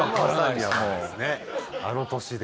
あの年で。